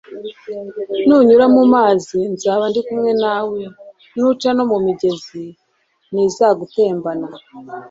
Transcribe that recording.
Nunyura mu mazi nzaba ndi kumwe nawe; nuca no mu migezi ntizagutembana;